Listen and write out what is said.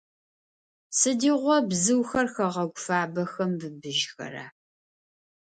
Сыдигъо бзыухэр хэгъэгу фабэхэм быбыжьхэра?